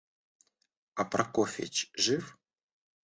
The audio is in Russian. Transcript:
А Прокофьич жив?